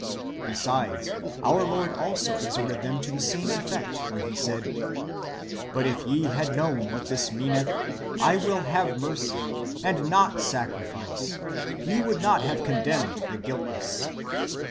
"^ Besides, our Lord also exhorted them to the same effect, when He said, '* But if ye had kno wn what [this] meaneth, I will have mercy, and not sacrifice, ye would not have condemned the guiltless."